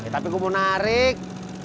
tapi gua mau narik